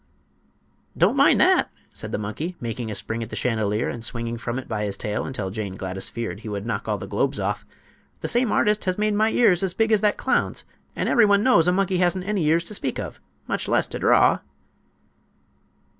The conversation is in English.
"Don't mind that," said the monkey, making a spring at the chandelier and swinging from it by his tail until Jane Gladys feared he would knock all the globes off; "the same artist has made my ears as big as that clown's and everyone knows a monkey hasn't any ears to speak of—much less to draw."